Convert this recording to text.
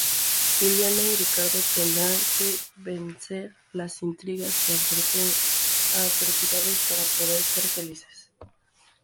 Juliana y Ricardo tendrán que vencer las intrigas y adversidades para poder ser felices.